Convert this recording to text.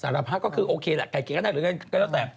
สารภาพก็คือโอเคแหละใกล้เกียรติก็ได้